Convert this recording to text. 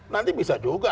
nanti bisa juga